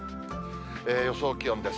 予想気温です。